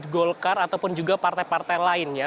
golkar ataupun juga partai partai lainnya